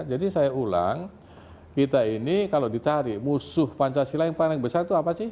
jadi saya ulang kita ini kalau ditarik musuh pancasila yang paling besar itu apa sih